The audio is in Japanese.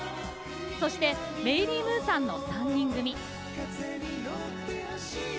そして、メイリー・ムーさんの３人組。